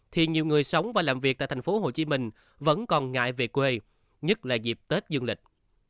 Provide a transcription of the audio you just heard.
thì nhiều người sống và làm việc tại tp hcm vẫn còn ngại về quê nhất là dịp tết dương lịch